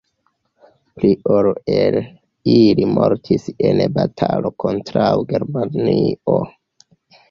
Pli ol el ili mortis en batalo kontraŭ Germanio.